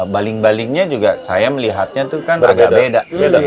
baling balingnya juga saya melihatnya itu kan agak beda